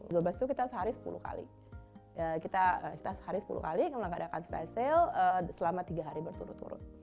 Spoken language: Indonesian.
zobas itu kita sehari sepuluh kali kita sehari sepuluh kali mengadakan spesial selama tiga hari berturut turut